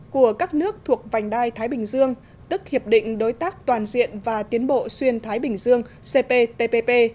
của các nước thuộc vành đai thái bình dương tức hiệp định đối tác toàn diện và tiến bộ xuyên thái bình dương cptpp